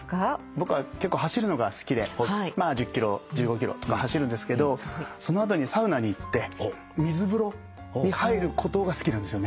僕は結構走るのが好きでまあ１０ｋｍ１５ｋｍとか走るんですけどその後にサウナに行って水風呂に入ることが好きなんですよね。